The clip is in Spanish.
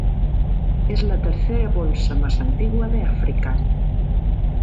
Es la tercera bolsa más antigua de África.